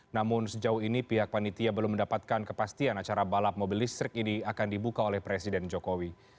namun sejauh ini pihak panitia belum mendapatkan kepastian acara balap mobil listrik ini akan dibuka oleh presiden jokowi